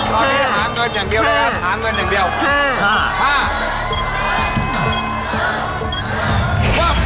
๕และหาเงินอย่างเดียวแหละ